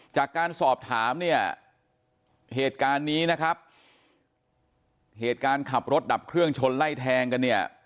จากการสอบถามเนี่ยเหตุการณ์นี้นะครับเหตุการณ์ขับรถดับเครื่องชนไล่แทงกันเนี่ย